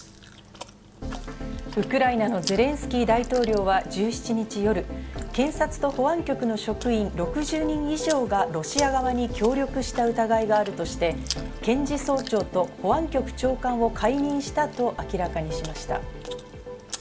ウクライナのゼレンスキー大統領は１７日夜、検察と保安局の職員６０人以上がロシア側に協力した疑いがあるとして、検事総長と保安局長官を解任したと明らかにしました。